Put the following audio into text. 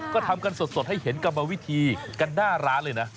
ก็ทำกันสดให้เห็นกรรมวิธีกันหน้าร้านเลยนะ